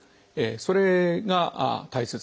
それが大切です。